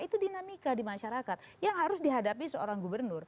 itu dinamika di masyarakat yang harus dihadapi seorang gubernur